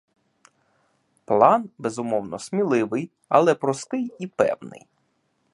План, безумовно, сміливий, але простий і певний.